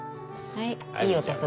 はい。